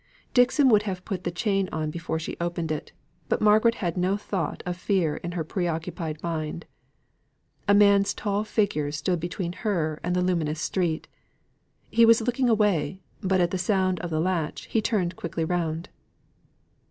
Dixon would have put the chain on before she opened it, but Margaret had not a thought of fear in her pre occupied mind. A man's tall figure stood between her and the luminous street. He was looking away; but at the sound of the latch he turned quickly round.